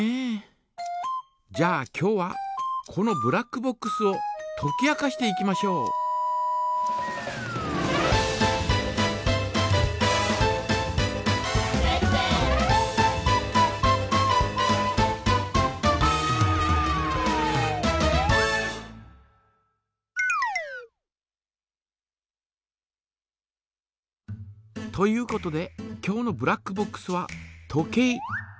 じゃあ今日はこのブラックボックスをとき明かしていきましょう。ということで今日のブラックボックスは時計。